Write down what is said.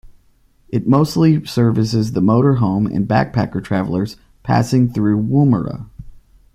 It mostly services the motor home and backpacker travellers passing through Woomera.